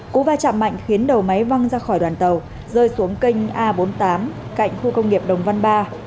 cú va chạm mạnh khiến đầu máy văng ra khỏi đoàn tàu rơi xuống kênh a bốn mươi tám cạnh khu công nghiệp đồng văn ba